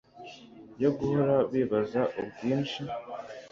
yo guhora bibaza ubwinshi